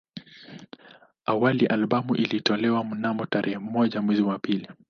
Awali albamu ilitolewa mnamo tarehe moja mwezi wa pili